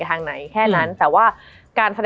มันทำให้ชีวิตผู้มันไปไม่รอด